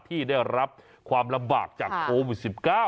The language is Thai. ที่ได้รับความลำบากจากโควิด๑๙